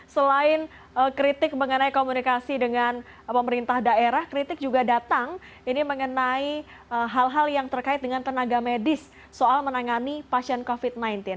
selain kritik mengenai komunikasi dengan pemerintah daerah kritik juga datang ini mengenai hal hal yang terkait dengan tenaga medis soal menangani pasien covid sembilan belas